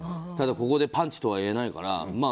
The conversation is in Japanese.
ただここでパンチとは言えないから。